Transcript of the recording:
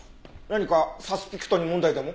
何かサスピクトに問題でも？